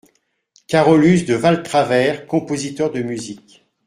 Carolus de Valtravers , compositeur de musique.